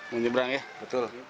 menyebrang ya betul